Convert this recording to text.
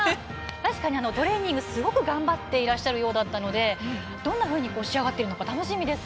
確かにトレーニングすごく頑張っているようだったのでどんなふうに仕上がっているのか楽しみです。